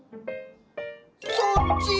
そっち？